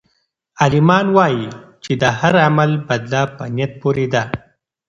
عالمان وایي چې د هر عمل بدله په نیت پورې ده.